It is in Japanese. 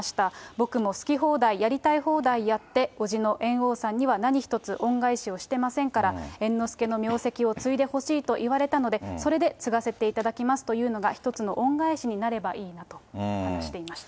僕も好き放題、やりたい放題やって、伯父の猿翁さんには、何一つ恩返しをしてませんから、猿之助の名跡を継いでほしいと言われたので、それで継がせていただきますというのが、一つの恩返しになればいいなと話していました。